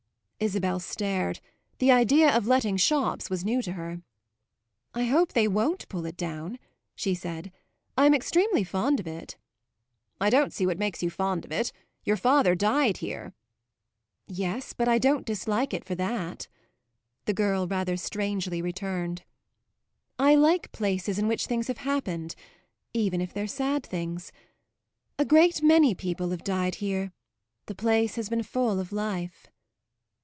Isabel stared; the idea of letting shops was new to her. "I hope they won't pull it down," she said; "I'm extremely fond of it." "I don't see what makes you fond of it; your father died here." "Yes; but I don't dislike it for that," the girl rather strangely returned. "I like places in which things have happened even if they're sad things. A great many people have died here; the place has been full of life."